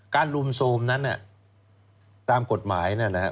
การลุมโทรมนั้นเนี่ยตามกฎหมายนะครับ